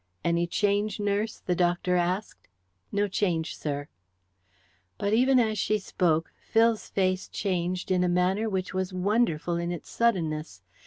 "Any change, nurse?" the doctor asked. "No change, sir." But even as she spoke Phil's face changed in a manner which was wonderful in its suddenness.